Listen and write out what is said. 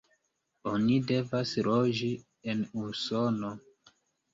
Oni devas loĝi en Usono.